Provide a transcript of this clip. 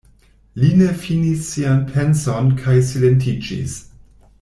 Li ne finis sian penson kaj silentiĝis.